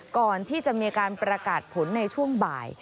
ก่อนที่จะมีการประกาศผลในช่วงบ่าย